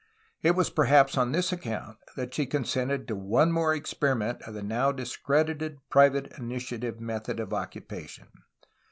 It was perhaps on this account that she consented to one more experiment of the now discredited private initiative method of occupation.